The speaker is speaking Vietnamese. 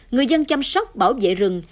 người dân chăm sóc bảo vệ rừng